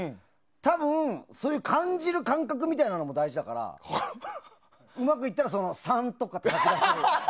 多分、感じる感覚みたいなものも大事だからうまくいったら３とか。